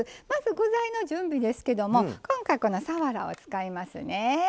まず、具材の準備ですけども今回は、さわらを使いますね。